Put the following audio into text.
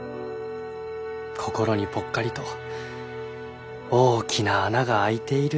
心にぽっかりと大きな穴があいているようで。